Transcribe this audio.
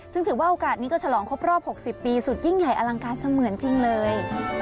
ซึ่งถือว่าโอกาสนี้ก็ฉลองครบรอบ๖๐ปีสุดยิ่งใหญ่อลังการเสมือนจริงเลย